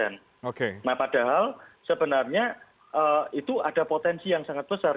nah padahal sebenarnya itu ada potensi yang sangat besar